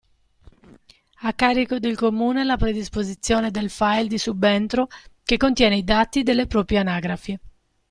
A carico del Comune è la predisposizione del file di subentro che contiene i dati delle proprie anagrafi.